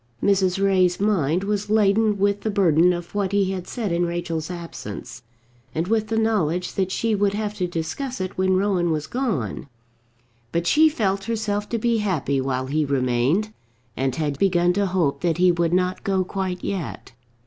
Mrs. Ray's mind was laden with the burden of what he had said in Rachel's absence, and with the knowledge that she would have to discuss it when Rowan was gone; but she felt herself to be happy while he remained, and had begun to hope that he would not go quite yet.